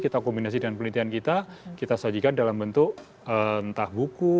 kita kombinasi dengan penelitian kita kita sajikan dalam bentuk entah buku